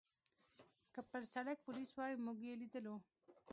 که پر سړک پولیس وای، موږ یې لیدلو.